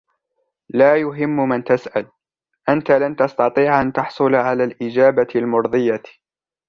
لا يهم من تسأل, أنتَ لن تستطيع أن تحصل على الإجابة المُرضية.